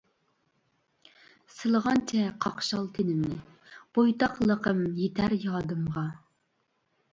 سىلىغانچە قاقشال تېنىمنى، بويتاقلىقىم يىتەر يادىمغا.